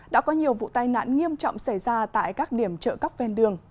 đã có nhiều vụ tai nạn nghiêm trọng xảy ra tại các điểm trợ cấp ven đường